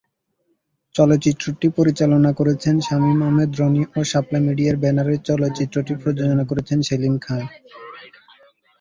চলচ্চিত্রটি পরিচালনা করেছেন শামীম আহমেদ রনি ও শাপলা মিডিয়ার ব্যানারে চলচ্চিত্রটি প্রযোজনা করেছেন সেলিম খান।